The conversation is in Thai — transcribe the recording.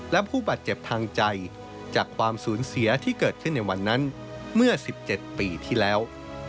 และผู้บาดเจ็บทางใจจากความสูญเสียที่เกิดขึ้นในวันนั้นเมื่อ๑๗ปีที่แล้ว